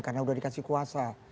karena udah dikasih kuasa